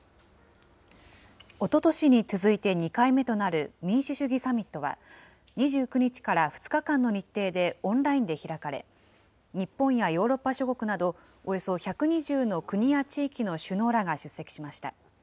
おととしに続いて２回目となる民主主義サミットは、２９日から２日間の日程でオンラインで開かれ、日本やヨーロッパ諸国など、およそ１２０の国や地域の首脳らが出席しました。